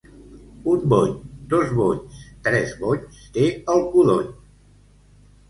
Un bony, dos bonys, tres bonys té el codony.